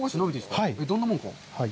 どんなものか。